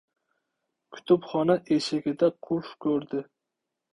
Kutubxona eshigida qulf ko‘rdi.